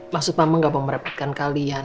maksud kamu gak mau merepotkan kalian